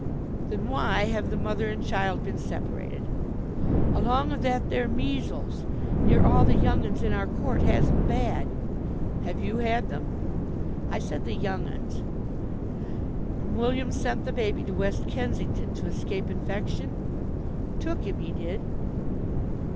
"Then why have the mother and child been separated?" "Along of that there measles. Near all the young 'uns in our court has 'em bad." "Have you had them?" "I said the young 'uns." "And William sent the baby to West Kensington to escape infection?" "Took him, he did."